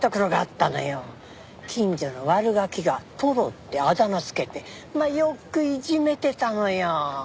近所の悪ガキが「トロ」ってあだ名付けてまあよくいじめてたのよ。